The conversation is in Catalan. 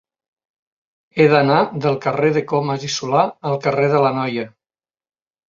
He d'anar del carrer de Comas i Solà al carrer de l'Anoia.